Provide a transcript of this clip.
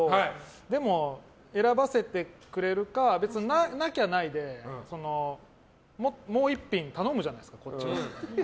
でも、選ばせてくれるか別に、なきゃないでもう一品頼むじゃないですか。